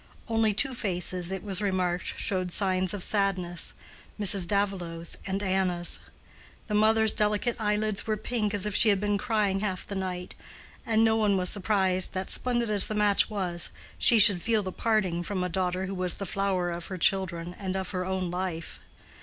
Only two faces, it was remarked, showed signs of sadness—Mrs. Davilow's and Anna's. The mother's delicate eyelids were pink, as if she had been crying half the night; and no one was surprised that, splendid as the match was, she should feel the parting from a daughter who was the flower of her children and of her own life.